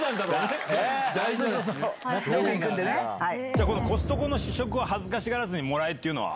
じゃあ、このコストコの試食は恥ずかしがらずにもらえっていうのは。